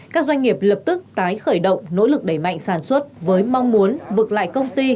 các doanh nghiệp lập tức tái khởi động nỗ lực đẩy mạnh sản xuất với mong muốn vực lại công ty